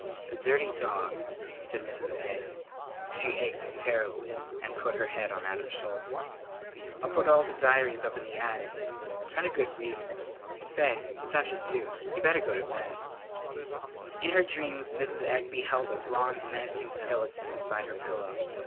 "The dirty dog!" said Mrs. Egg. She ached terribly and put her head on Adam's shoulder. "I'll put all the diaries up in the attic. Kind of good readin.' Say, it's after two. You better go to bed." In her dreams Mrs. Egg beheld a bronze menacing skeleton beside her pillow.